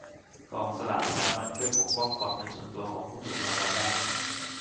กองสลากสามารถช่วยปกป้องความเป็นส่วนตัวของผู้ถูกรางวัลได้.